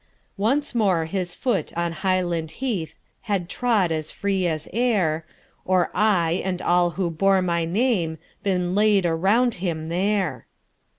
Once more his foot on Highland heathHad trod as free as air, Or I, and all who bore my name, Been laid around him there!